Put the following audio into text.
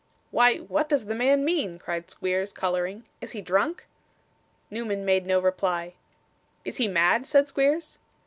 'Why, what does the man mean?' cried Squeers, colouring. 'Is he drunk?' Newman made no reply. 'Is he mad?' said Squeers.